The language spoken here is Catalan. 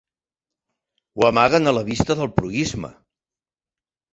Ho amaguen a la vista del proïsme